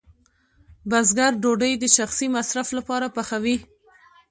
بزګر ډوډۍ د شخصي مصرف لپاره پخوي.